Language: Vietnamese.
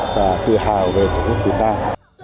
và tự hào về tổ quốc việt nam